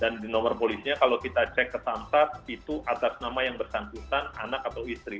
dan di nomor polisinya kalau kita cek kesan tas itu atas nama yang bersangkutan anak atau istri